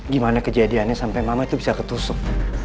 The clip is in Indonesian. gimana kejadiannya sampai mama itu bisa ketusuk